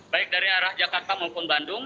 baik dari arah jakarta maupun bandung